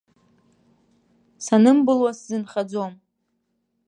Санымбылуа сзынхаӡом.